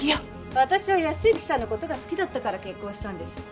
私は靖之さんの事が好きだったから結婚したんです。